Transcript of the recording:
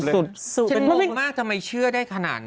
ต้องมีแต่คนในโซเชียลว่าถ้ามีข่าวแบบนี้บ่อยทำไมถึงเชื่อขนาดใด